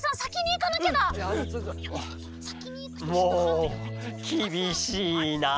もうきびしいなあ！